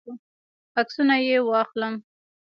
عکسونه یې واخلم.